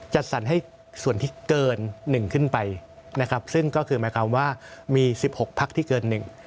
จัดสรรให้ส่วนที่เกิน๑ขึ้นไปซึ่งก็คือหมายความว่ามี๑๖พักที่เกินนึง